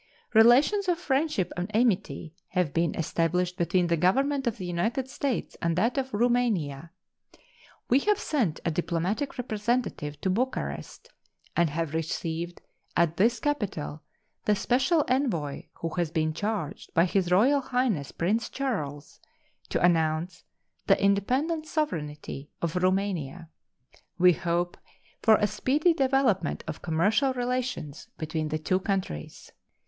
Relations of friendship and amity have been established between the Government of the United States and that of Roumania. We have sent a diplomatic representative to Bucharest, and have received at this capital the special envoy who has been charged by His Royal Highness Prince Charles to announce the independent sovereignty of Roumania. We hope for a speedy development of commercial relations between the two countries.